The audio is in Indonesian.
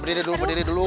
berdiri dulu berdiri dulu